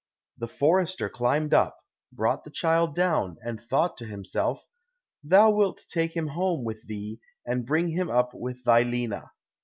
The forester climbed up, brought the child down, and thought to himself, "Thou wilt take him home with thee, and bring him up with thy Lina."